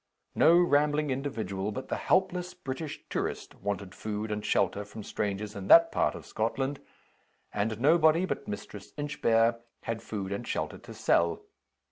No rambling individual but the helpless British Tourist wanted food and shelter from strangers in that part of Scotland; and nobody but Mistress Inchbare had food and shelter to sell.